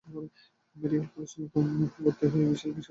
Medical কলেজে নতুন ভর্তি হয়েই বিশাল বিশাল বইয়ে অতিষ্ঠ হয়ে যাচ্ছে আদিল।